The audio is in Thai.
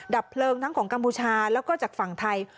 ดับเพลิงทั้งของกัมพูชาแล้วก็จากฝั่งไทย